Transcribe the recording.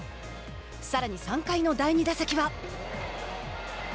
さらに３回の第２打席は。